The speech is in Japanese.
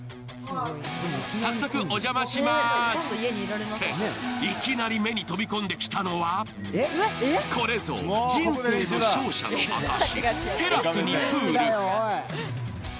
早速、お邪魔します、っていきなり目に飛び込んできたのはこれぞ、人生の勝者の証し、テラスにプール。